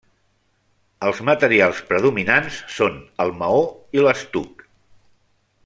Els materials predominants són el maó i l'estuc.